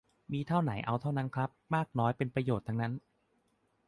มีเท่าไหนเอาเท่านั้นครับ มากน้อยเป็นประโยชน์ทั้งนั้น